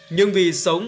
nhưng vì sống